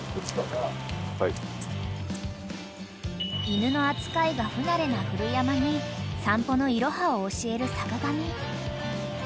［犬の扱いが不慣れな古山に散歩のいろはを教える坂上］